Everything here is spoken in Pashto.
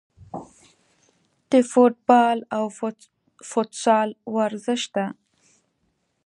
د فوټبال او فوتسال ورزش ته